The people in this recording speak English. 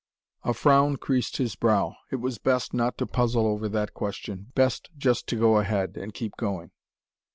A frown creased his brow. It was best not to puzzle over that question. Best just to go ahead, and keep going.